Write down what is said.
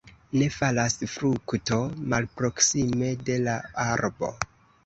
Ne falas frukto malproksime de la arbo.